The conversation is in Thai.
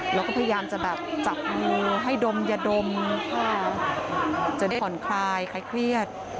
พยายามจับมือให้ดมยะดมจะได้ถ่อนคลายคล้ายเครียด